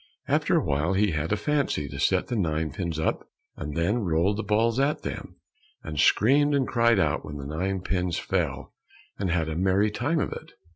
After a while he had a fancy to set the nine pins up and then rolled the balls at them, and screamed and cried out when the nine pins fell, and had a merry time of it.